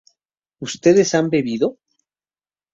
¿ustedes han bebido?